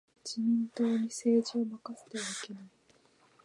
自民党に政治を任せてはいけない。